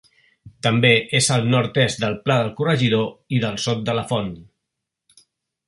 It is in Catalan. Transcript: També és al nord-est del Pla del Corregidor i del Sot de la Font.